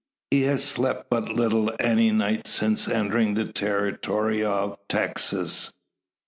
He has slept but little any night since entering the territory of! Texas.